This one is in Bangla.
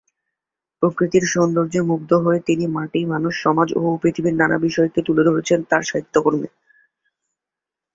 প্রকৃতির সৌন্দর্যে মুগ্ধ হয়ে তিনি মাটি, মানুষ, সমাজ ও পৃথিবীর নানা বিষয়কে তুলে ধরেছেন তার সাহিত্যকর্মে।